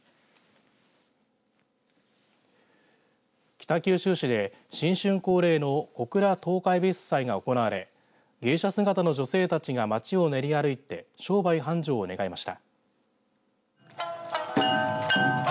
北九州市で新春恒例の小倉十日ゑびす祭が行われ芸者姿の女性たちが街を練り歩いて商売繁盛を願いました。